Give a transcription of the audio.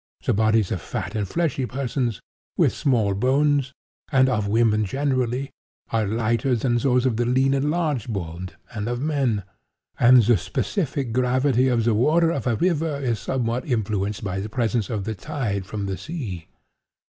The bodies of fat and fleshy persons, with small bones, and of women generally, are lighter than those of the lean and large boned, and of men; and the specific gravity of the water of a river is somewhat influenced by the presence of the tide from sea.